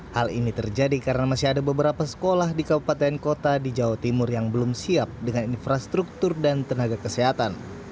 hal ini terjadi karena masih ada beberapa sekolah di kabupaten kota di jawa timur yang belum siap dengan infrastruktur dan tenaga kesehatan